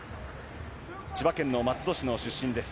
千葉県の松戸市の出身です。